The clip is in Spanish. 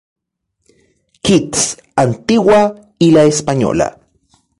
Kitts, Antigua y La Española.